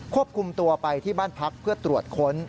ควบคุมตัวไปที่บ้านพักเพื่อตรวจค้น